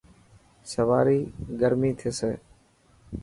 سواري گرمي ٿيسي.